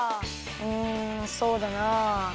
うんそうだな。